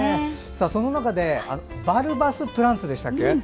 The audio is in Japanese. その中でバルバスプランツでしたっけ。